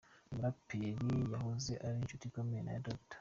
Uyu muraperi yahoze ari inshuti ikomeye ya Dr.